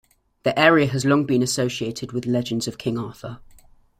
The area has long been associated with the legends of King Arthur.